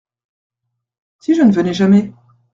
Si je ne venais jamais ?